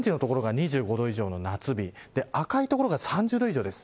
オレンジの所が２５度以上の夏日赤い所が３０度以上です。